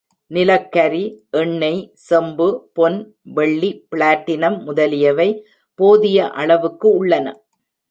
நிலக் கரி, எண்ணெய், செம்பு, பொன், வெள்ளி, பிளாட்டினம் முதலியவை போதிய அளவுக்கு உள்ளன.